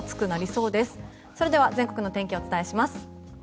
それでは全国の天気をお伝えします。